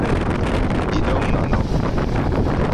Idong’ nono